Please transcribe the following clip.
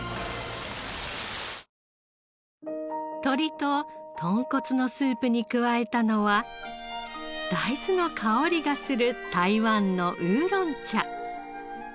鶏と豚骨のスープに加えたのは大豆の香りがする台湾の烏龍茶。